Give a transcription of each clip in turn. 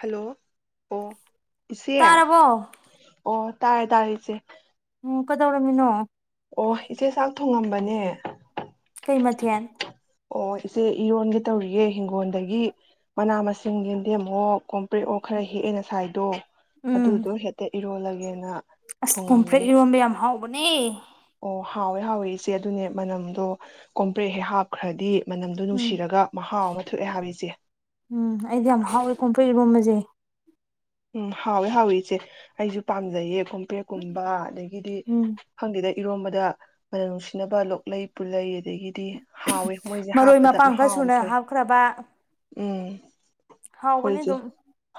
Hello ꯑꯣ ꯏꯆꯦ ꯇꯥꯔꯕꯣ ꯑꯣ ꯇꯥꯔꯦ ꯇꯥꯔꯦ ꯏꯆꯦ ꯎꯝ ꯀꯗꯧꯔꯝꯃꯤꯅꯣ ꯑꯣ ꯏꯆꯦ ꯆꯥꯛ ꯊꯣꯡꯉꯝꯕꯅꯦ ꯀꯩ ꯃꯊꯟ ꯑꯣ ꯏꯆꯦ ꯏꯔꯣꯟꯒꯦ ꯇꯧꯔꯤꯌꯦꯦ ꯍꯤꯡꯒꯣꯜꯗꯒꯤ ꯃꯅꯥ ꯃꯁꯤꯡ ꯌꯦꯗꯤꯦ ꯑꯃꯨꯛ ꯀꯣꯝ ꯄ꯭ꯔꯦ ꯑꯣ ꯈꯔ ꯍꯦ ꯑꯩꯅ ꯁꯥꯏꯗꯣ ꯎꯝ ꯑꯗꯨꯗꯣ ꯍꯦꯛꯇ ꯏꯔꯣꯜꯂꯒꯦꯅ ꯊꯣꯡꯉꯝꯃꯤꯅꯤ ꯄꯨꯅꯤ ꯑꯣ ꯍꯥꯎꯋꯦ ꯍꯥꯎꯋꯦ ꯏꯆꯦ ꯑꯗꯨꯅꯦ ꯃꯅꯝꯗꯣ ꯀꯣꯝꯄ꯭ꯔꯦ ꯍꯦ ꯍꯥꯞꯈ꯭ꯔꯗꯤ ꯃꯅꯝꯗꯣ ꯎꯝ ꯅꯨꯡꯁꯤꯔꯒ ꯃꯍꯥꯎ ꯑꯃ ꯊꯣꯛꯑꯦ ꯍꯥꯏꯕ ꯏꯆꯦ ꯎꯝ ꯑꯩꯗꯤ ꯌꯥꯝ ꯍꯥꯎꯋꯦ ꯀꯣꯝꯄꯩꯨꯝꯕꯗꯤ ꯦ ꯎꯝ ꯍꯥꯎꯋꯦ ꯍꯥꯎꯋꯤ ꯏꯆꯦ ꯑꯩꯁꯨ ꯄꯥꯝꯖꯩꯌꯦ ꯄꯦꯛꯀꯨꯝꯕ ꯑꯗꯒꯤꯗꯤ ꯎꯝ ꯍꯪꯗꯦꯗ ꯏꯔꯣꯝꯕꯗ ꯃꯅꯝ ꯅꯨꯡꯁꯤꯅꯕ ꯂꯣꯛꯂꯩ ꯄꯨꯜꯂꯩ ꯑꯗꯒꯤꯗꯤ ꯍꯥꯎꯋꯦ ꯃꯣꯏꯁꯦ ꯃꯔꯣꯏ ꯍꯥꯞꯄꯗ ꯃꯄꯥꯡ ꯈꯔ ꯃꯍꯥꯎ ꯑꯃ ꯁꯨꯅ ꯊꯣꯛꯑꯦ ꯍꯥꯞꯈ꯭ꯔꯕ ꯎꯝ ꯍꯥꯎꯕꯅꯤ ꯑꯗꯨꯝ ꯑꯩꯈꯣꯏꯁꯦ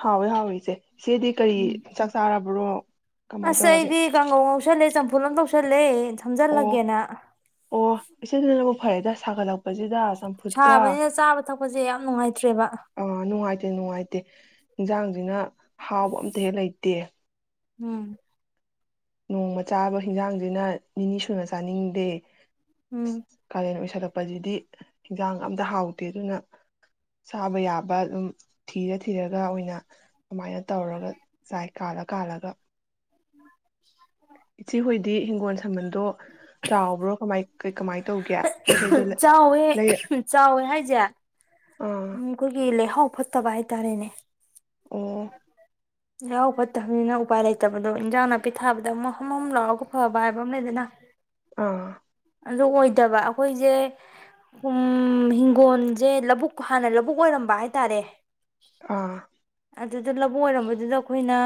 ꯍꯥꯎꯋꯦ ꯍꯥꯎꯋꯦ ꯏꯆꯦ ꯏꯆꯦꯗꯤ ꯎꯝ ꯀꯔꯤ ꯆꯥꯛ ꯆꯥꯔ [unintelligible] ꯑꯁ ꯑꯩꯗꯤ ꯀꯥꯡꯍꯧ ꯉꯧꯁꯤꯜꯂꯦ ꯆꯝꯐꯨꯠ ꯐꯨꯠ ꯑꯃ ꯇꯧꯁꯤꯜꯂꯦ ꯑꯣ ꯁꯝꯖꯤꯜꯂꯒꯦꯅ ꯑꯣ [unintelligible] ꯐꯔꯦꯗ ꯁꯥꯒꯠꯂꯛ ꯁꯥꯕꯅꯤꯅ ꯆꯥꯕ ꯊꯛꯄꯁꯦ ꯌꯥꯝ ꯅꯨꯡꯉꯥꯏꯇ꯭ꯔꯦꯕ ꯑꯥ ꯅꯨꯡꯉꯥꯏꯇꯦ ꯅꯨꯡꯉꯥꯏꯇꯦ ꯏꯟꯁꯥꯡꯁꯤꯅ ꯍꯥꯎꯕ ꯑꯝꯇ ꯍꯦꯛ ꯂꯩꯇꯦ ꯎꯝ ꯅꯣꯡꯃ ꯆꯥꯕ ꯍꯟꯖꯥꯡꯁꯤꯅ ꯅꯤꯅꯤ ꯁꯨꯅ ꯆꯥꯅꯤꯡꯗꯦ ꯎꯝ ꯀꯂꯦꯟ ꯑꯣꯏꯁꯤꯜꯂꯛ ꯛꯄꯁꯤꯗꯤ ꯏꯟꯁꯥꯡꯒ ꯑꯝꯇ ꯍꯥꯎꯇꯦ ꯑꯗꯨꯅ ꯆꯥꯕ ꯌꯥꯕ ꯑꯗꯨꯝ ꯊꯤꯔ ꯊꯤꯔꯒ ꯑꯣꯏꯅ ꯑꯗꯨꯃꯥꯏꯅ ꯇꯧꯔꯒ ꯆꯥꯏ ꯀꯥꯜꯂ ꯀꯥꯂꯒ ꯏꯆꯦꯍꯣꯏꯗꯤ ꯍꯤꯡꯒꯣꯜ ꯁꯝꯕꯟꯗꯣ ꯆꯥꯎꯕ꯭ꯔꯣ ꯀꯃꯥꯏ ꯀꯃꯥꯏ ꯇꯧꯒꯦ ꯄꯣꯠ ꯆꯩꯗꯣ ꯆꯥꯎꯋꯦ ꯂꯩꯔ ꯆꯥꯎꯋꯦ ꯍꯥꯏꯁꯦ ꯑꯥ ꯎꯝ ꯈꯣꯏꯒꯤ ꯂꯩꯍꯥꯎ ꯐꯠꯇꯕ ꯍꯥꯏ ꯇꯥꯔꯦꯅꯦ ꯑꯣ ꯂꯩꯍꯥꯎ ꯐꯠꯇꯕꯅꯤꯅ ꯎꯄꯥꯏ ꯂꯩꯇꯕꯗꯣ ꯏꯟꯖꯥꯡ ꯅꯥꯄꯤ ꯊꯥꯕꯗ ꯑꯃ ꯍꯝ ꯍꯝ ꯂꯥꯎꯔꯒ ꯐꯕ ꯍꯥꯏꯕ ꯑꯃ ꯂꯩꯗꯅ ꯑꯥ ꯑꯗꯨ ꯑꯣꯏꯗꯕ ꯑꯩꯈꯣꯏꯁꯦ ꯀꯨꯝ ꯍꯤꯡꯒꯣꯟꯁꯦ ꯂꯧꯕꯨꯛ ꯍꯥꯟꯅ ꯂꯧꯕꯨꯛ ꯑꯣꯏꯔꯝꯕ ꯍꯥꯏꯇꯥꯔꯦ ꯑꯥ ꯑꯗꯨꯗ ꯂꯧꯕꯨꯛ ꯑꯣꯏꯔꯝꯕꯗꯨꯗ ꯑꯩꯈꯣꯏꯅ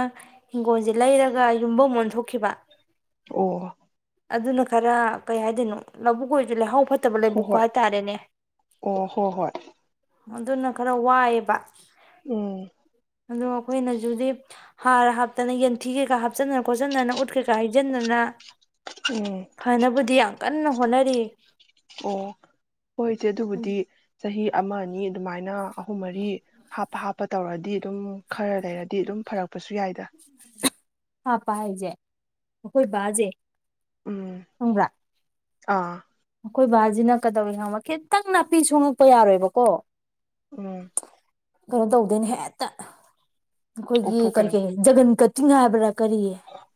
ꯍꯤꯡꯒꯣꯜꯁꯦ ꯂꯩꯔꯒ ꯌꯨꯝꯐꯝ ꯑꯣꯟꯊꯣꯛꯈꯤꯕ ꯑꯣ ꯑꯗꯨꯅ ꯈꯔ ꯀꯩ ꯍꯥꯏꯗꯣꯏꯅꯣ ꯂꯧꯕꯨꯛ ꯑꯣꯏꯁꯨ ꯂꯩꯍꯥꯎ ꯐꯠꯇꯕ ꯍꯣꯏ ꯂꯩꯕꯨꯛ ꯍꯣꯏ ꯍꯥꯏ ꯇꯥꯔꯦꯅꯦ ꯑꯣ ꯍꯣꯏ ꯍꯣꯏ ꯑꯗꯨꯅ ꯈꯔ ꯋꯥꯏꯑꯦꯕ ꯎꯝ ꯑꯗꯣ ꯑꯩꯈꯣꯏꯅꯁꯨꯗꯤ ꯍꯥꯔ ꯍꯥꯞꯇꯅ ꯌꯦꯟꯊꯤ ꯀꯩꯀꯥ ꯍꯥꯞꯆꯤꯟꯗꯅ ꯈꯣꯠꯆꯤꯟꯗꯅ ꯎꯠ ꯀꯩꯀꯥ ꯍꯩꯖꯤꯟꯗꯅ ꯎꯝ ꯐꯅꯕꯨꯗꯤ ꯌꯥꯝ ꯀꯟꯅ ꯍꯣꯅꯔꯤ ꯑꯣ ꯍꯣꯏꯁꯦ ꯑꯗꯨꯕꯨꯗꯤ ꯆꯍꯤ ꯑꯃ ꯑꯅꯤ ꯑꯗꯨꯃꯥꯏꯅ ꯑꯍꯨꯝ ꯃꯔꯤ ꯍꯥꯞꯄ ꯍꯥꯞꯄ ꯇꯧꯔꯗꯤ ꯑꯗꯨꯝ ꯈꯔ ꯂꯩꯔꯗꯤ ꯑꯗꯨꯝ ꯐꯔꯛꯄꯁꯨ ꯌꯥꯏꯗ ꯍꯥꯞꯄꯥ ꯍꯥꯏꯖꯦ ꯑꯩꯈꯣꯏ ꯕꯥꯖꯦ ꯎꯝ ꯈꯡꯕꯔꯥ ꯑꯥ ꯑꯩꯈꯣꯏ ꯕꯥꯁꯤꯅ ꯀꯩꯗꯧꯋꯦ ꯈꯪꯕ ꯈꯤꯇꯪ ꯅꯥꯄꯤ ꯁꯣꯡꯉꯛꯄ ꯌꯥꯔꯣꯏꯕꯀꯣ ꯎꯝ ꯀꯩꯅꯣ ꯇꯧꯗꯣꯏꯅꯦ ꯍꯦꯛꯇ ꯑꯩꯈꯣꯏꯒꯤ ꯀꯔꯤ ꯀꯣꯛꯊꯣꯛꯀꯅꯤ ꯀꯔꯤ ꯖꯒꯟ ꯀ ꯇꯤꯡꯉ ꯍꯥꯏꯕ꯭ꯔ ꯀꯔꯤꯌꯦ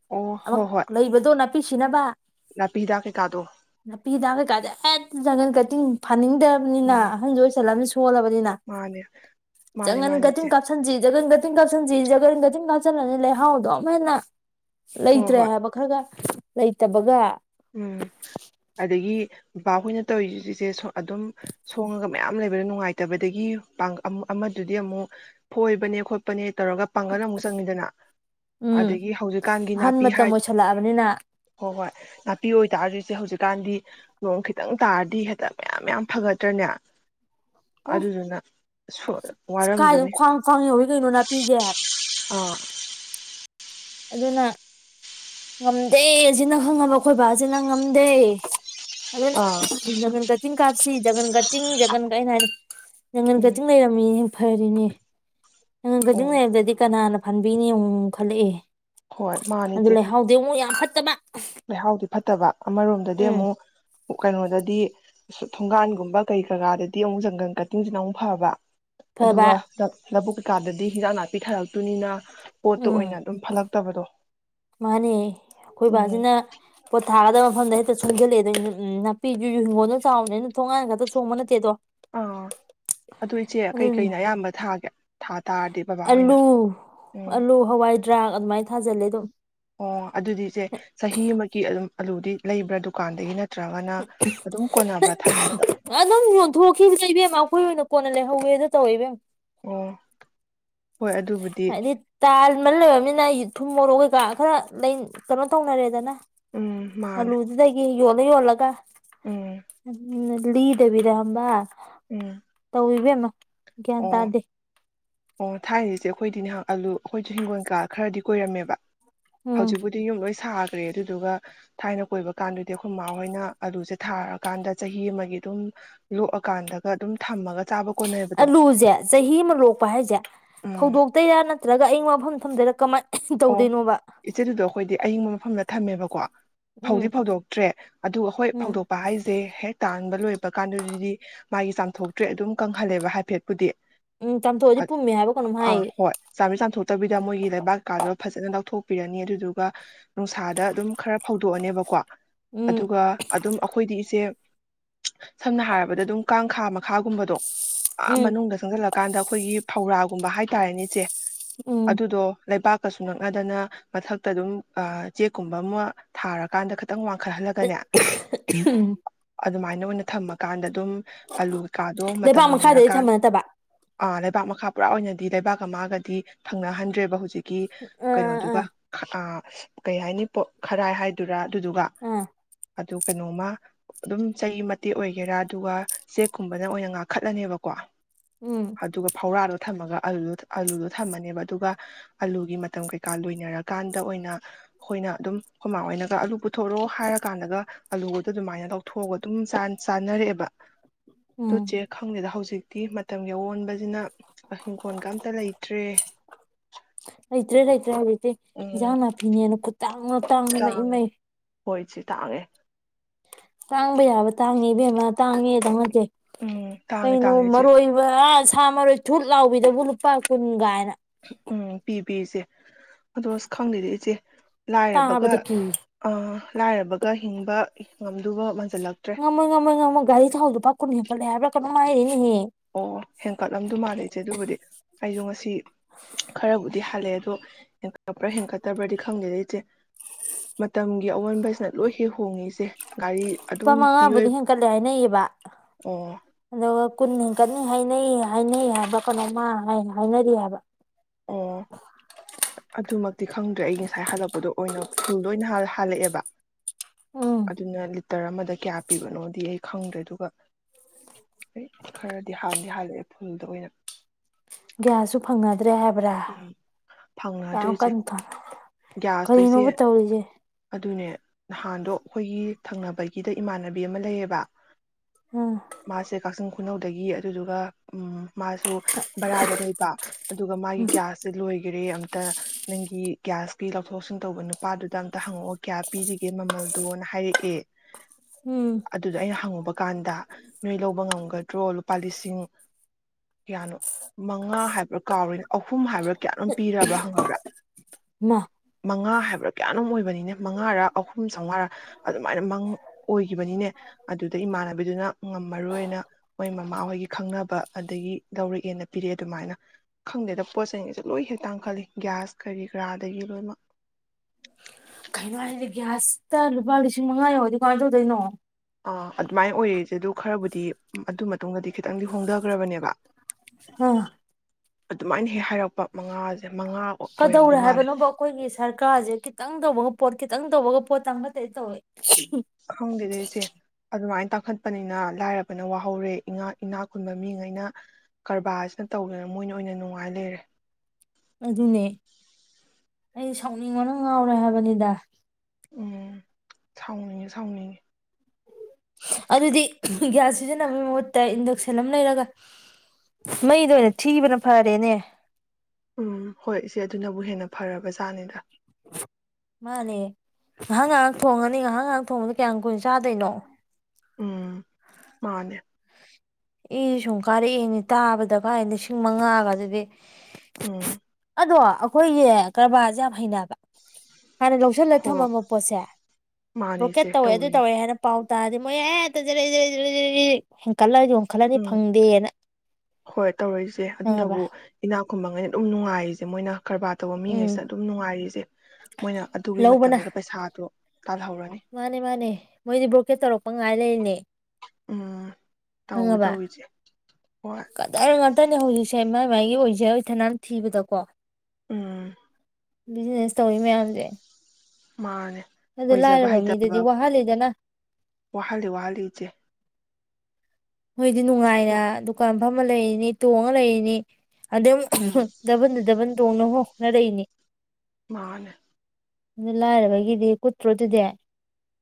ꯑꯣ ꯑꯃꯛ ꯍꯣꯏ ꯍꯣꯏ ꯂꯩꯕꯗꯣ ꯅꯥꯞ ꯄꯤꯁꯤꯅꯕ ꯅꯥꯄꯤ ꯍꯤꯗꯥꯛ ꯀꯩꯀꯥꯗꯣ ꯅꯄꯤ ꯍꯤꯗꯥꯛ ꯀꯗꯤ ꯍꯦꯛ ꯖꯡꯒꯜ ꯀꯇꯤ ꯗꯨꯨꯡ ꯐꯥꯅꯤꯡꯗꯕꯅꯤꯅ ꯎꯝ ꯑꯍꯟꯁꯨ ꯑꯣꯏꯁꯜꯂꯝꯅꯤ ꯁꯨ ꯁꯣꯜꯂꯕꯅꯤꯅ ꯃꯥꯅꯦ ꯃꯥꯅꯦ ꯖꯉꯟ ꯃꯥꯅꯦ ꯀꯇꯤꯡ ꯏꯆꯦ ꯀꯥꯞꯁꯤꯟꯁꯤ ꯖꯒꯟ ꯀꯥ ꯆꯤꯡꯗ ꯁꯨꯝꯖꯤ ꯖꯒꯟ ꯀꯥꯇꯤꯡ ꯀꯞꯁꯤꯜꯂꯥꯃꯤꯅꯥ ꯂꯩꯍꯥꯎꯗꯣ ꯑꯃꯅ ꯍꯣꯏ ꯂꯩꯇ꯭ꯔꯦ ꯍꯣꯏ ꯍꯥꯏꯕ ꯈꯔꯒ ꯂꯩꯇꯕꯒ ꯎꯝ ꯑꯗꯒꯤ ꯕꯥꯍꯣꯏꯅ ꯇꯧꯔꯤꯁꯤꯁꯦ ꯑꯗꯨꯝ ꯁꯣꯡꯉꯒ ꯃꯌꯥꯝ ꯂꯩꯕꯗ ꯅꯨꯡꯉꯥꯏꯇꯕꯗꯒꯤ ꯑꯃꯗꯨꯗꯤ ꯑꯃꯨꯛ ꯐꯣꯏꯕꯅꯦ ꯈꯣꯠꯄꯅꯦ ꯇꯧꯔꯒ ꯄꯥꯡꯒꯜ ꯑꯃꯨꯛ ꯆꯪꯉꯤꯗꯅ ꯎꯝ ꯑꯗꯒꯤ ꯍꯧꯖꯤꯛꯀꯥꯟꯒꯤ ꯑꯍꯟ ꯅꯥꯄꯤ ꯃꯇꯝ ꯍꯥꯏ ꯑꯣꯏꯁꯜꯂꯛꯑꯕꯅꯤꯅ ꯍꯣꯏ ꯍꯣꯏ ꯅꯥꯄ ꯑꯥꯖꯤꯛꯁꯦ ꯍꯧꯖꯤꯛꯀꯥꯟꯗꯤ ꯅꯣꯡ ꯈꯤꯇꯪ ꯇꯥꯔꯗꯤ ꯍꯦꯛꯇ ꯃꯌꯥꯝ ꯃꯌꯥꯝ ꯐꯒꯠꯇ꯭ꯔꯅꯦ ꯎꯝ ꯑꯗꯨꯗꯨꯅ ꯀꯥꯏꯗ ꯋꯥꯔꯝꯗꯨꯅꯤ ꯈ꯭ꯋꯥꯡ ꯈ꯭ꯋꯥꯡ ꯌꯧꯔꯦ ꯀꯩꯅꯣ ꯅꯥꯄꯤꯁꯦ ꯑ ꯑꯗꯨꯅ ꯉꯝꯗꯦ ꯑꯁꯤꯅ ꯈꯪꯉꯕ ꯑꯩꯈꯣꯏ ꯕꯥꯁꯤꯅ ꯉꯝꯗꯦ ꯑꯗꯨꯅ ꯑꯥ ꯖꯡꯒꯜ ꯀꯇꯤꯡ ꯀꯥꯞ ꯁꯤ ꯖꯥꯒꯟ ꯀꯠ ꯇꯤꯡ ꯖꯒꯟ ꯀ ꯑꯩꯅ ꯍꯥꯏꯖꯦ ꯖꯒꯟ ꯎꯝ ꯀꯇꯤꯡ ꯂꯩꯔꯝꯃꯤ ꯐꯔꯤꯅꯦ ꯖꯒꯟ ꯀꯇꯤꯡ ꯑꯣ ꯂꯩꯔꯝꯗꯔ꯭ꯗꯤ ꯀꯅꯥꯅ ꯐꯟꯕꯤꯅꯦ ꯑꯃꯨꯛ ꯈꯜꯂꯛꯑꯦ ꯍꯣꯏ ꯃꯥꯅꯤ ꯆꯦ ꯉꯣ ꯌꯥꯝ ꯐꯠꯇꯕ ꯂꯩꯍꯥꯎꯗꯤ ꯐꯠꯇꯕ ꯑꯃꯔꯣꯝꯗꯗꯤ ꯎꯝ ꯑꯃꯨꯛ ꯀꯩꯅꯣꯗꯗꯤ ꯊꯣꯡꯒꯥꯟꯒꯨꯝꯕ ꯀꯩ ꯀꯀꯥꯗꯗꯤ ꯑꯃꯨꯛ ꯖꯪꯒꯜ ꯀꯇꯤꯡꯁꯤꯅ ꯑꯃꯨꯛ ꯐꯕ ꯐꯕ ꯑꯗꯨꯒ ꯂꯛ ꯂꯧꯕꯨꯛ ꯀꯥꯗꯗꯤ ꯍꯤꯟꯖꯥꯡ ꯅꯥꯄꯤ ꯊꯥꯔꯛꯇꯨꯅꯤꯅ ꯄꯣꯠꯇꯣ ꯎꯝ ꯑꯣꯏꯅ ꯑꯗꯨꯝ ꯐꯠꯂꯛꯇꯕꯗꯣ ꯃꯥꯅꯦ ꯎꯝ ꯈꯣꯏꯕꯥꯖꯤꯅ ꯊꯥꯒꯗꯕ ꯃꯐꯝꯗ ꯍꯦꯛꯇ ꯁꯣꯟꯖꯤꯜꯂꯛꯑꯦ [unintelligible] ꯅꯥꯄꯤꯖꯤꯁꯨ ꯍꯤꯡꯒꯣꯟꯗꯣ ꯆꯥꯎꯕꯅꯤꯅꯥ ꯊꯣꯡꯉꯥꯟ ꯒꯗꯣ ꯆꯣꯡꯕ ꯅꯠꯇꯦꯗꯣ ꯑꯥ ꯑꯗꯨ ꯏꯆꯦ ꯀꯩꯀꯩꯅ ꯑꯌꯥꯝꯕ ꯊꯥꯒꯦ ꯊꯥ ꯇꯥꯔꯗꯤ ꯕꯕꯥ ꯍꯣꯏꯅ ꯑꯜꯂꯨ ꯎꯝ ꯑꯜꯂꯨ ꯍꯋꯥꯏ ꯗ꯭ꯔꯥꯛ ꯑꯗꯨꯃꯥꯏ ꯊꯥꯖꯜꯂꯦ ꯑꯗꯨꯝ ꯑꯣ ꯑꯗꯨꯗꯤ ꯏꯆꯦ ꯆꯍꯤ ꯑꯃꯒꯤ ꯑꯗꯨꯝ ꯑꯂꯨꯗꯤ ꯂꯩꯕ꯭ꯔꯥ ꯗꯨꯀꯥꯟꯗꯒꯤ ꯅ ꯑꯗꯨꯝ ꯌꯣꯟꯊꯣꯛꯈꯤꯕꯗ ꯏꯕꯦꯝꯃ ꯑꯩꯈꯣꯏ ꯑꯣꯏꯅ ꯀꯣꯅ ꯂꯩꯍꯧꯋꯦꯗꯣ ꯇꯧꯋꯦ ꯏꯕꯦꯝꯝ ꯑꯣ ꯍꯣꯏ ꯑꯗꯨꯕꯨꯗꯤ ꯍꯥꯏꯗꯤ ꯇꯥꯜꯃꯟ ꯂꯩꯔꯕꯅꯤꯅ ꯑꯩꯒꯤ ꯊꯨꯝ ꯃꯣꯔꯣꯛ ꯀꯩꯀꯥ ꯈꯔ ꯂꯩ ꯀꯅꯣ ꯇꯧꯅꯔꯦꯗꯅ ꯎꯝ ꯃꯥꯅꯦ ꯑꯂꯨ ꯗꯨꯗꯒꯤ ꯌꯣꯜꯂꯥ ꯌꯣꯜꯂꯥꯒ ꯎꯝ [unintelligible] ꯎꯝꯅ ꯂꯤꯗꯕꯤꯗ ꯑꯃꯥ ꯎꯝ ꯄꯨꯏ ꯏꯕꯦꯝꯃ ꯒ꯭ꯌꯥꯟ ꯑꯣ ꯇꯥꯗꯦ ꯑꯣ ꯊꯥꯏꯖꯦ ꯑꯩꯈꯣꯏꯗꯤꯅꯦ ꯍꯥꯛ ꯑꯂꯨ ꯑꯩꯈꯣꯏꯁꯨ ꯍꯤꯡꯒꯣꯜ ꯀꯥ ꯈꯔꯗꯤ ꯀꯣꯏꯔꯝꯃꯦꯕ ꯎꯝ ꯍꯧꯖꯤꯛꯄꯨꯗꯤ ꯌꯨꯝ ꯂꯣꯏ ꯁꯥ ꯈ꯭ꯔꯦ ꯑꯗꯨꯗꯨꯒ ꯊꯥꯏꯅ ꯀꯣꯏꯕ ꯀꯥꯟꯗꯨꯗꯤ ꯑꯩꯈꯣꯏ ꯃꯥ ꯍꯣꯏꯅ ꯑꯂꯨꯁꯦ ꯊꯥꯔꯀꯥꯟꯗ ꯆꯍꯤ ꯑꯃꯒꯤ ꯑꯗꯨꯝ ꯂꯣꯛꯑꯀꯥꯟꯗꯒ ꯑꯗꯨꯝ ꯊꯝꯃꯒ ꯆꯥꯕ ꯀꯣꯟꯅꯕꯗꯣ ꯖꯦ ꯆꯍꯤ ꯑꯃꯥ ꯂꯣꯛꯄ ꯍꯥꯏꯖꯦ ꯑꯣ ꯐꯧꯗꯣꯛꯇꯨꯏꯔꯥ ꯅꯇ꯭ꯔꯒ ꯑꯌꯤꯡꯕꯥ ꯃꯐꯝ ꯊꯝꯗꯦꯏꯔꯥ ꯀꯃꯥꯏ ꯑꯣ ꯏꯆꯦ ꯑꯗꯨꯗꯣ ꯑꯈꯣꯏꯗꯤ ꯑꯌꯤꯡꯕ ꯃꯐꯝꯗ ꯊꯝꯃꯦꯕꯀꯣ ꯎꯝ ꯐꯧꯗꯤ ꯐꯧꯗꯣꯛꯇ꯭ꯔꯦ ꯑꯗꯨ ꯍꯣꯏ ꯎꯝ ꯐꯧꯗꯣꯛꯄ ꯍꯥꯏꯖꯦ ꯍꯦꯛ ꯇꯥꯟ ꯂꯣꯏꯕ ꯀꯥꯟꯗꯗꯨꯗꯤ ꯃꯥꯒꯤ ꯆꯥꯝꯊꯣꯛꯇ꯭ꯔꯦ ꯑꯗꯨꯝ ꯀꯪꯍꯜꯂꯦꯕ ꯍꯥꯏꯐꯦꯠꯄꯨꯗꯤ ꯎꯝ ꯇꯥꯝꯊꯣꯛꯑꯗꯤ ꯑ ꯄꯨꯝꯃꯦ ꯍꯥꯏꯕ ꯀꯩꯅꯣꯝ ꯑꯥ ꯍꯥꯏꯌꯦ ꯍꯣꯏ ꯆꯥꯝꯃꯗꯤ ꯆꯥꯝꯊꯣꯛꯇꯕꯤꯗ ꯃꯣꯏꯒꯤ ꯂꯩꯕꯥꯛ꯫ ꯐꯖꯅ ꯂꯧꯊꯣꯛꯄꯤꯔꯅꯤ ꯑꯗꯨꯗꯨꯒ ꯅꯨꯡꯁꯥꯗ ꯑꯗꯨꯝ ꯈꯔ ꯄꯧꯗꯣꯛꯑꯅꯦꯕꯀꯣ ꯎꯝ ꯑꯗꯨꯒ ꯑꯗꯨꯝ ꯑꯩꯈꯣꯏꯗꯤ ꯏꯆꯦ ꯁꯝꯅ ꯍꯥꯏꯔꯕꯗ ꯑꯗꯨꯝ ꯀꯥꯡꯈꯥ ꯃꯈꯥꯒꯨꯝꯕꯗꯣ ꯑꯥ ꯎꯝ ꯃꯅꯨꯡꯗ ꯆꯪꯖꯜꯂ ꯀꯥꯟꯗ ꯑꯈꯣꯏꯒꯤ ꯐꯧꯔꯥꯒꯨꯝꯕ ꯍꯥꯏꯇꯥꯔꯦꯅꯦ ꯏꯆꯦ ꯎꯝ ꯑꯗꯨꯗꯣ ꯂꯩꯄꯥꯛ ꯀꯁꯨ ꯅꯛꯅꯗꯅ ꯃꯊꯛꯇ ꯑꯗꯨꯝ ꯆꯦꯛꯀꯨꯝꯕ ꯑꯃ ꯊꯥꯔꯀꯥꯟꯗ ꯈꯤꯇꯪ ꯋꯥꯡꯈꯠꯍꯜꯂꯒꯅꯦ ꯎꯝ ꯑꯗꯨꯃꯥꯏꯅ ꯑꯣꯏꯅ ꯊꯝꯃ ꯀꯥꯟꯗ ꯑꯗꯨꯝ ꯑꯂꯨ ꯀꯩꯀꯥꯗꯣ ꯃꯇꯝ ꯂꯩꯕꯥꯛ ꯃꯈꯥꯗꯗꯤ ꯂꯣꯏꯅꯔꯀꯥꯟ ꯊꯝꯕ ꯅꯠꯇꯕ ꯑ ꯂꯩꯕꯥꯛ ꯃꯈꯥ ꯄꯨꯔꯥ ꯑꯣꯏꯅꯗꯤ ꯂꯩꯕꯥꯛꯀ ꯑꯃꯒꯗꯤ ꯊꯪꯅꯍꯟꯗ꯭ꯔꯦꯕ ꯍꯨꯖꯤꯛ ꯀꯤ ꯑꯥ ꯀꯩꯅꯣꯗꯨꯒ ꯑꯥ ꯑ ꯀꯩ ꯍꯥꯏꯅꯤ ꯄꯣꯠ ꯈꯔꯥꯏ ꯍꯥꯏꯗꯨꯔꯥ ꯑꯗꯨꯗꯨꯒ꯫ ꯑꯥ ꯑꯗꯨ ꯀꯩꯅꯣꯃ ꯑꯗꯨꯝ ꯆꯩ ꯃꯇꯦꯛ ꯑꯣꯏꯒꯦꯔꯥ ꯑꯗꯨꯒ ꯆꯦꯛꯀꯨꯝꯕꯅ ꯑꯣꯏꯅ ꯉꯥꯛꯈꯠꯂꯅꯦꯕꯀꯣ꯫ ꯎꯝ ꯑꯗꯨꯒ ꯐꯧꯔꯥꯗꫭ꯫ ꯊꯝꯃꯒ ꯑ ꯑꯂꯨꯗꯣ ꯊꯝꯃꯅꯦꯕ ꯑꯗꯨꯒ꯫ ꯑꯥꯂꯨꯒꯤ ꯃꯇꯝ ꯀꯩꯀꯥ ꯂꯣꯏꯅꯔꯀꯥꯟꯗ ꯑꯣꯏꯅ ꯑꯩꯈꯣꯏꯅ ꯑꯗꯨꯝ ꯑꯈꫭꯏꯃꯥꯍꫭꯏꯅꯒ ꯑꯂꯨ ꯄꯨꯊꫭꯔꯛꯑꫭ ꯍꯥꯏꯔ ꯀꯥꯟꯗꯒ ꯑꯂꯨꯒꯗꯣ ꯑꯗꯨꯃꯥꯏꯅ ꯂꯧꯊꯣꯛꯑꯒ ꯑꯗꯨꯝ ꯆꯥꯅꯔꯛꯑꯦꯕ꯫ ꯇꯨ ꯎꯝ ꯆꯦ ꯈꯪꯗꯦꯗ ꯍꯧꯖꯤꯛ꯫ ꯇꯤ ꯃꯇꯝꯒꯤ ꯑꯋꫭꯟꯕꯁꯤꯅ ꯍꯤꯡꯒꫭꯟꯒ ꯑꯝꯇ ꯂꯩꯇ꯭ꯔꯦ꯫ ꯂꯩꯇ꯭ꯔꯦ ꯂꯩꯇ꯭ꯔꯦ ꯍꯩꯖꯤꯛ꯫ ꯎꯝ ꯏꯟꯖꯥꯡ ꯅꯥꯄꯤꯅꯦꯅ ꯈꯨꯇꯥꯡꯅ ꯂꯛꯇꯥꯡꯅꯦꯅ ꯇꯥꯡꯉꯦ ꯏꯃꯩ꯫ ꯍꯣꯏ ꯏꯆꯦ ꯇꯥꯡꯉꯦ꯫ ꯇꯥꯡꯕ ꯌꯥꯕ ꯇꯥꯡꯉꯦ ꯏꯕꯦꯝꯃ ꯇꯥꯡꯉꯦꯗꯪ ꯅꯠꯇꯦ ꯎꯝ ꯇꯥꯡꯉꯦ ꯀꯩꯅꯣ ꯇꯥꯡꯉꯦ ꯏꯆꯦ ꯃꯔꯣꯏꯕꯥꯎ ꯑ ꯁꯥ ꯃꯔꯣꯏ ꯊꯨꯠ ꯂꯥꯎꯕꯤꯗꯕꯨ ꯂꯨꯄꯥ ꯀꯨꯟ ꯒꯥꯏꯅ꯫ ꯑꯗꫭ ꯑꯁ ꯈꯪꯗꯦꯗ ꯏꯆꯦ꯫ ꯂꯥꯏꯔꯕꯒ ꯇꯥꯕꯗ ꯀꯤ ꯑꯥ꯫ ꯂꯥꯏꯔꯕꯒ ꯍꯤꯡꯕ ꯉꯝꯗꯨꯕ ꯃꯥꯟ꯫ ꯉꯝꯃꯣꯏ ꯉꯝꯃꯣꯏ ꯉꯝꯃꯣꯏ ꯒꯥꯔꯤ ꯊꯥꯎ ꯂꯨꯄꯥ ꯀꯨꯟ ꯍꯦꯞꯄꯠꯂꯦ ꯍꯥꯏꯕ꯭ꯔꯥ ꯀꯩꯅꯣꯝ ꯉꯥꯏꯔꯤꯅꯤꯍꯦ‌꯫ ꯑꯣ ꯍꯦꯟꯀꯠꯂꯝꯗꯨ ꯃꯥꯜꯂꯦ ꯏꯆꯦ ꯑꯗꯨꯕꯨꯗꯤ꯫ ꯑꯩꯁꯨꯣ ꯉꯁꯤ ꯈꯔꯕꯨꯗꯤ ꯍꯥꯜꯂꯛꯑꯦ ꯑꯗꯣ ꯍꯦꯟꯀꯠꯄ꯭ꯔꯥ ꯍꯦꯟꯀꯠꯇꯕ꯭ꯔꯗꯤ ꯈꯪꯗꯦꯗ ꯏꯆꯦ ꯃꯇꯝꯒꯤ ꯑꯋꫭꯟꯕꯁꯤꯅ ꯂꯣꯏ ꯍꯦꯛ꯫ ꯍꯣꯡꯉꯦ ꯏꯆꯦ ꯒꯥꯔꯤ ꯂꯨꯄꯥ ꯑꯗꯨꯝ ꯃꯤꯑꯣꯏ ꯃꯉꯥꯕꯨꯗꯤ ꯍꯦꯟꯀꯠꯂꯦ ꯍꯥꯏꯅꯩꯌꯦꯕ ꯑꯣ ꯑꯗꯨꯒ ꯀꯨꯟ ꯍꯦꯟꯀꯠꯅꯤ ꯍꯥꯏꯅꯩꯌꯦ ꯍꯥꯏꯅꯩ ꯍꯥꯏꯕ ꯀꯩꯅꯣꯃ ꯍꯥꯏ ꯍꯥꯏꯅꯔꯤ ꯍꯥꯏꯕ꯫ ꯑꯣ ꯑꯗꯨꯃꯛꯇꯤ ꯈꯪꯗ꯭ꯔꯦ ꯑꯩ ꯍꯜꯂꯛꯑꯦꯕ ꯎꯝ ꯑꯗꯨꯅ ꯂꯤ ꯇꯔ ꯑꯃꯗ ꯀꯌꯥ ꯄꯤꯕꯅꯣꯗꯤ ꯑꯩ ꯈꯪꯗ꯭ꯔꯦ ꯑꯗꯨꯒ ꯑꯩ ꯈꯔꯗꯤ ꯍꯥꯟꯅꯗꯤ ꯍꯥꯜꯂꯛꯑꯦ ꯐꯨꯜꯗ ꯑꯣꯏꯅ ꯒ꯭ꯌꯥꯁꯁꯨ ꯐꯪꯅꯗꯦ ꯗꯔꯦ ꯍꯥꯏꯕ꯭ꯔꯥ ꯎꯝ ꯐꯪꯅꯗ꯭ꯔꯦ ꯌꯥꯝ ꯏꯆꯦ ꯀꯟꯅ ꯊꯅ ꯒ꯭ꯌꯥꯁꯇꯣ ꯏꯆꯦ ꯀꯔꯤꯅꯣꯕꯨ ꯇꯧꯔꯤꯁꯦ ꯑꯗꯨꯅꯦ ꯅꯍꯥꯟꯗꯣ ꯑꯩꯈꯣꯏꯒꯤ ꯊꯪꯅꯕꯒꯤꯗ ꯏꯃꯥꯟꯅꯕꯤ ꯑꯃ ꯂꯩꯌꯦꯕ ꯎꯝ ꯃꯥꯁꯦ ꯀꯥꯛꯆꯤꯡ ꯈꯨꯅꯧꯗꯒꯤ ꯑꯗꯨꯗꯨꯒ ꯎꯝ ꯃꯥꯁꯨ ꯕꯔꯥꯗ ꯂꯩꯕ꯫ ꯑꯗꯨꯒ ꯃꯥꯒꯤ ꯒ꯭ꯌꯥꯁꯁꯦ ꯂꯣꯏꯈꯔꯦ ꯑꯝꯇ ꯅꯪꯒꯤ ꯒ꯭ꯌꯥꯁꯀꯤ ꯂꯧꯊꯣꯛꯁꯤꯡꯟ ꯇꯧꯕ ꯅꯨꯄꯥꯗꯨꯗ ꯑꯝꯇ ꯍꯪꯉꯛꯑꯣ ꯀꯌꯥ ꯄꯤꯔꯤꯒꯦ ꯃꯃꯜꯗꯣꯅ ꯍꯥꯏꯔꯛꯑꯦ꯫ ꯎꯝ ꯑꯗꯨꯗ ꯑꯩꯅ ꯍꯪꯉꯨꯕ ꯀꯥꯟꯗ ꯅꯣꯏ ꯂꯧꯕ ꯉꯝꯒꯗ꯭ꯔꯣ ꯂꯨꯄꯥ ꯂꯤꯁꯤꯡ ꯀꯌꯥꯅꯣ ꯃꯉꯥ ꯍꯥꯏꯕꯔꯥ ꯀꯥꯎꯔꯤꯅꯦ ꯑꯍꯨꯝ ꯍꯥꯏꯕ꯭ꯔꯥ ꯀꯌꯥꯅꯣꯝꯃ ꯄꯤꯔꯕ ꯈꯪꯉꯕ꯭ꯔꯥ ꯃꯥ ꯃꯉꯥ ꯍꯥꯏꯕ ꯀꯌꯥꯅꯣꯝ ꯑꯣꯏꯕꯅꯤꯅ ꯃꯉꯥꯔꯥ ꯑꯍꯨꯝ ꯆꯥꯝꯉꯥꯔ ꯑꯗꯨꯃꯥꯏꯅ ꯃꯪ ꯑꯣꯏꯈꯤꯕꯅꯤꯅꯦ ꯑꯗꯨꯗ ꯏꯃꯥꯟꯅꯕꯤꯗꯨꯅ ꯉꯝꯃꯔꯣꯏꯅ ꯃꯣꯏ ꯃꯃꯥꯍꯣꯏꯒꯤ ꯈꯪꯅꯕ ꯑꯗꯒꯤ ꯂꯧꯔꯛꯑꯦꯅ ꯄꯤꯔꯛꯑꯦ ꯑꯗꯨꯃꯥꯏꯅ ꯈꯪꯗꯦꯗ ꯄꯣꯠ ꯆꯩꯩꯁꯦ ꯂꯣꯏ ꯍꯦ ꯇꯥꯡꯈꯜꯂꯤ ꯒ꯭ꯌꯥꯁ ꯀꯔꯤ ꯀꯔꯥ ꯑꯗꯒꯤ ꯂꯣꯏꯅꯃꯛ꯫ ꯀꯩꯅꯣ ꯍꯥꯏꯁꯦ ꯒ꯭ꯌꯥꯁꯇ ꯂꯨꯄꯥ ꯂꯤꯁꯤꯡ ꯃꯉꯥ ꯌꯧꯔꯗꯤ ꯀꯃꯥꯏꯅ ꯇꯧꯗꯣꯏꯅꯣ꯫ ꯑꯥ ꯑꯗꯨꯃꯥꯏꯅ ꯑꯣꯏꯌꯦ ꯑꯗꯨ ꯈꯔꯕꯨꯗꯤ ꯑꯗꯨ ꯃꯇꯨꯡꯗꯗꯤ ꯈꯤꯇꯪꯗꯤ ꯍꯣꯡꯊꯥꯈ꯭ꯔꯕꯅꯦꯕ ꯑ ꯑꯗꯨꯃꯥꯏꯅ ꯍꯦꯛ ꯍꯥꯏꯔꯛꯄ ꯃꯉꯥꯁꯦ ꯃꯉꯥ ꯑꯣꯏꯔꯝꯗꯧ ꯀꯗꯧꯔꯦ ꯃꯥꯜꯂꯦ ꯍꯥꯏꯕꯅꯣꯕꯨ ꯑꯩꯈꯣꯏꯒꯤ ꯁꯔꯀꯥꯔꯁꯦ ꯈꯤꯇꯪ ꯇꯧꯕꯒ ꯄꯣꯠ ꯈꯤꯇꯪ ꯇꯧꯕꯒ ꯄꯣꯠ ꯇꯪꯈꯠꯇꯧꯏ ꯈꯪꯗꯦꯗ ꯏꯆꯦ ꯑꯗꯨꯃꯥꯏꯅ ꯇꯥꯡ ꯈꯠꯄꯅꯤꯅ ꯂꯥꯏꯔꯕꯅ ꯋꯥꯍꯧꯔꯦ ꯏꯅꯥ ꯏꯅꯥꯛ ꯈꯨꯟꯕ ꯃꯤꯉꯩꯅ ꯀꯔꯕꯥꯔꯁꯤꯅ ꯇꯧꯗꯅ ꯃꯣꯏꯅ ꯑꯣꯏꯅ ꯅꯨꯡꯉꯥꯏ ꯂꯩꯔꯦ꯫ ꯑꯗꯨꯅꯦ ꯑꯩ ꯁꯥꯎꯅꯤꯡꯕꯅ ꯉꯥꯎꯔꯦ ꯍꯥꯏꯕꯅꯤꯗ꯫ ꯎꯝ ꯁꯥꯎꯅꯤꯡꯉꯦ - ꯁꯥꯎꯅꯤꯡꯉꯦ꯫ ꯑꯗꯨꯗꯤ ꯒ꯭ꯌꯥꯁ ꯁꯤꯖꯤꯟꯅꯕꯒꯤ ꯃꯍꯨꯠꯇ ꯏꯟꯗꯛꯁꯟ ꯑꯃ ꯂꯩꯔꯒ ꯃꯩꯗ ꯑꯣꯏꯅ ꯊꯤꯕꯅ ꯐꯔꯦꯅꯦ ꯎꯝ ꯍꯣꯏ ꯏꯆꯦ ꯑꯗꯨꯅꯕꯨ ꯍꯦꯟꯅ ꯐꯔꯕꯖꯥꯠꯅꯤꯗ ꯃꯥꯅꯦ ꯉꯥꯏꯍꯥꯛ ꯉꯥꯏꯍꯥꯛ ꯊꯣꯡꯉꯅꯤ ꯉꯥꯏꯍꯥꯛ ꯉꯥꯏꯍꯥꯛ ꯊꯣꯡꯕꯅꯤ ꯀꯌꯥꯝ ꯀꯨꯏꯅ ꯆꯥꯗꯣꯏꯅꯣ ꯎꯝ ꯃꯥꯅꯦ ꯏ ꯁꯨꯝ ꯀꯥꯔꯛꯑꯦꯅꯦ ꯇꯥꯕꯗꯀꯥꯏ ꯂꯤꯁꯤꯡ ꯃꯉꯥꯒ ꯑꯗꯨꯗꯤ ꯎꯝ ꯑꯗꯣ ꯑꯩꯈꯣꯏꯒꯤ ꯀꯔꯕꯥꯔꯁꯦ ꯌꯥꯝ ꯍꯩꯅꯕ ꯍꯥꯟꯅ ꯂꯧꯁꯤꯜꯂꯒ ꯍꯣ ꯊꯝꯃꯝꯕ ꯄꯣꯠꯁꯦ ꯃꯥꯅꯦ ꯕ꯭ꯔꯣꯀꯦꯠ ꯏꯆꯦ ꯇꯧꯋꯦ ꯑꯗꯨ ꯇꯧꯔꯤꯅꯦ ꯇꯧꯋꯦ ꯍꯥꯏꯅ ꯄꯥꯎꯟ ꯇꯥꯗꯤ ꯃꯣꯦ ꯏꯪ ꯀꯜꯂ ꯍꯥꯏꯣ ꯎꯝ ꯍꯣꯏ ꯇꯧꯔꯛꯏꯁꯦ ꯈꯪꯉꯕ ꯑꯗꯨꯅꯕꯨ ꯏꯅꯥꯛ ꯀꯨꯝꯕꯉꯩꯅ ꯑꯗꯨꯝ ꯅꯨꯡꯉꯥꯏꯔꯤꯁꯦ ꯃꯣꯏꯅ ꯀꯔꯕꯥꯔ ꯇꯧꯕ ꯎꯝ ꯃꯤꯉꯩꯁꯤꯗ ꯑꯗꯨꯝ ꯅꯨꯡꯉꯥꯏꯔꯤꯁꯦ ꯃꯣꯏꯅ ꯑꯗꯨꯒꯤ ꯂꯧꯕꯅ ꯃꯇꯝꯗꯨꯗ ꯄꯩꯁꯥꯗꯣ ꯇꯥꯜꯍꯧꯔꯅꯤ ꯃꯥꯅꯦ ꯃꯥꯅꯦ ꯃꯣꯏꯗꯤ ꯕ꯭ꯔꯣꯀꯦꯠ ꯇꯧꯔꯛꯄ ꯉꯥꯏ ꯂꯩ ꯇ ꯎꯝ ꯇꯧꯋꯤ ꯈꯪꯉꯕ ꯇꯧꯋꯤꯁꯦ ꯍꯣꯏ ꯀꯗꯥꯏ ꯉꯥꯛꯇꯅꯦ ꯍꯧꯖꯤꯛꯁꯦ ꯁꯨꯃꯥꯏꯒꯤ ꯑꯣꯏꯖ ꯑꯣꯏꯊꯅꯥꯟ ꯊꯤꯕꯗꯀꯣ ꯎꯝ ꯕꯤꯖꯤꯅꯦꯁ ꯇꯧꯋꯤ ꯃꯌꯥꯝꯁꯦ ꯃꯥꯅꯦ ꯑꯗꯣ ꯑꯣꯏꯖꯕ ꯂꯥꯏꯔꯕ ꯍꯩꯇꯕ ꯃꯤꯗꯗꯤ ꯋꯥꯍꯜꯂꯤꯗꯅ ꯋꯥꯍꯜꯂꯤ ꯋꯥꯍꯜꯂꯤ ꯏꯆꯦ ꯃꯣꯏꯗꯤ ꯅꯨꯡꯉꯥꯏꯔ ꯗꯨꯀꯥꯟ ꯝ ꯑꯃ ꯂꯩꯔꯤꯅꯤ ꯇꯣꯡꯉ ꯂꯩꯔꯤꯅꯤ ꯑꯗ ꯎꯝ ꯗꯕꯟ ꯗꯕꯟ ꯗꯅꯣ ꯍꯅ ꯂꯩꯩꯅꯤ ꯃꯥꯅꯦ ꯑꯗꯨ ꯂꯥꯏꯔꯕꯒꯤꯗꯤ ꯀꯨꯠꯇ꯭ꯔꯣ ꯑꯗꯨꯗꯤ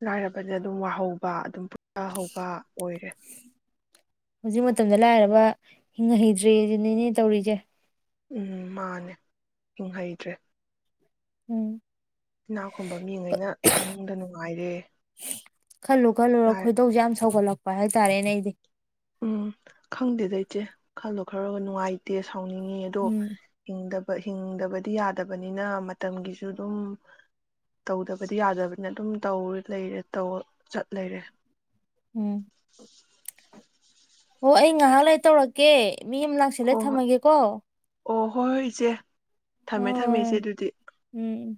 ꯂꯥꯏꯔꯕꯗ ꯑꯗꯨꯝ ꯋꯥꯍꯧꯕ ꯑꯗꯨꯝ ꯄꯨꯊꯍꯧꯕ ꯑꯣꯏꯔꯦ ꯍꯧꯖꯤꯛ ꯃꯇꯝꯗ ꯂꯥꯏꯔꯕ ꯍꯤꯡ ꯍꯩꯗ꯭ꯔꯤꯁꯤꯅꯤꯅꯦ ꯇꯧꯔꯤꯁꯦ ꯎꯝ ꯃꯥꯅꯦ ꯍꯤꯡꯍꯩꯗ꯭ꯔꯦ ꯎꯝ ꯏꯅꯥ ꯈꯨꯨꯝꯕ ꯃꯤꯉꯩꯅ ꯄꯨꯛꯅꯨꯡꯗ ꯅꯨꯡꯉꯥꯏꯔꯦ ꯈꯜꯂꯨ ꯈꯜꯂꯨꯔ ꯂꯥꯏ ꯈꯣꯏꯗꯧꯁꯦ ꯌꯥꯝ ꯁꯧꯒꯠꯂꯛꯄ ꯄ ꯍꯦ ꯇꯥꯔꯦꯅꯦ ꯏꯗꯤ ꯎꯝ ꯈꯪꯗꯦꯗ ꯏꯆꯦ ꯈꯜꯂꯣ ꯈꯔꯒ ꯅꯨꯡꯉꯥꯏꯇꯦ ꯁꯥꯎꯅꯤꯡꯉꯤ ꯑꯗꯣ ꯎꯝ ꯏꯪꯗ ꯍꯤꯡꯗꯕꯗꯤ ꯌꯥꯗꯕꯅꯤꯅ ꯃꯇꯝꯒꯤꯁꯨ ꯑꯗꯨꯝ ꯇꯧꯗꯕꯗꯤ ꯌꯥꯗꯕꯅꯤꯅ ꯑꯗꯨꯝ ꯂꯩꯔꯦ ꯆꯠ ꯂꯩꯔꯦ ꯎꯝ [inaudible] ꯑꯣ ꯑꯩ ꯉꯥꯏꯍꯥꯛ ꯂꯩ ꯇꯧꯔꯛꯀꯦ ꯃꯤ ꯑꯃ ꯂꯥꯛꯁꯜꯂꯦ ꯍꯣꯏ ꯍꯣꯏ ꯊꯝꯃꯒꯦꯀꯣ ꯑꯣ ꯍꯣꯏ ꯍꯣꯏ ꯏꯆꯦ ꯍꯣꯏ ꯊꯝꯃꯦ ꯊꯝꯃꯦ ꯏꯆꯦ ꯎꯝ ꯗꯨꯗꯤ ꯎꯝ